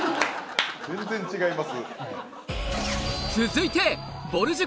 全然違います。